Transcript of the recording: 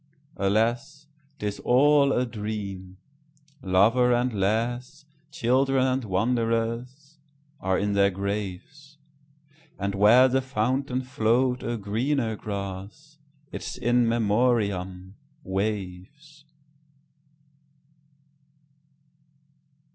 Alas! 't is all a dream. Lover and lass, Children and wanderers, are in their graves; And where the fountain flow'd a greener grass—Its In Memoriam—waves.